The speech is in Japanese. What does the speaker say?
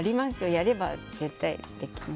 やれば絶対できます。